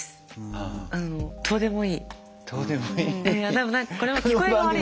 でも何かこれは聞こえが悪いから。